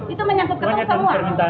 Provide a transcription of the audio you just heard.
itu menyangkut ketul semua